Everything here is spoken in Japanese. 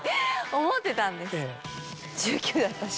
思ってたんです。